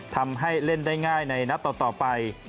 ทำให้เล่นได้ง่ายในนัดต่อไป